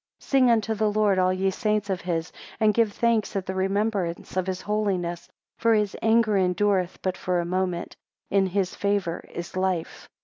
7 "Sing unto the Lord, all ye saints of his, and give thanks at the remembrance of his holiness, for his anger endureth but for a moment; in his favour is life."